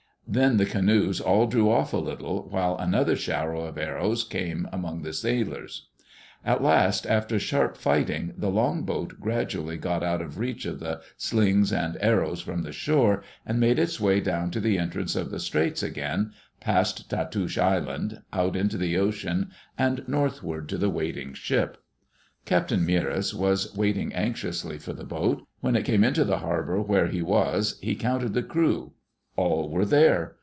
Then the canoes all drew off a little, while another shower of arrows came among the sailors. At last, after sharp fighting, the longboat gradually ^, Digitized by VjOOQ LC EARLY DAYS IN OLD OREGON got out of reach of the slings and arrows from the shore, and made its way down to the entrance of the straits again, past Tatoosh Island, out into the ocean, and north ward to the waiting ship. Captain Meares was waiting anxiously for the boat. When it came into the harbor where he was he counted the crew. All were there.